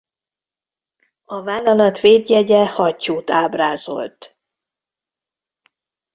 A vállalat védjegye hattyút ábrázolt.